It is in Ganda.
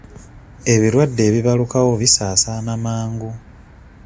Ebirwadde ebibalukawo bisaasaana mangu.